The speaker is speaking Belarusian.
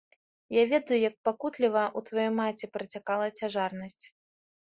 Я ведаю, як пакутліва ў тваёй маці працякала цяжарнасць.